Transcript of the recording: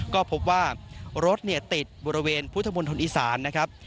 ก็พบว่ารถติดบริเวณพุทธมนตรอีสานนะครับ